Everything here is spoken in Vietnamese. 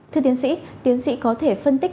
thưa tiến sĩ tiến sĩ có thể phân tích